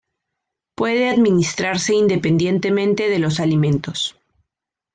Puede administrarse independientemente de los alimentos.